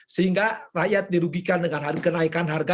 sehingga rakyat dirugikan dengan kenaikan harga